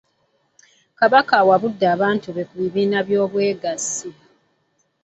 Kabaka awabudde abantu be ku bibiina by'obwegassi.